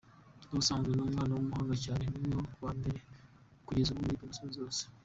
N’ubusanzwe ni umwana w’umuhanga cyane, niwe wambere kugeza ubu muri Promotion zose.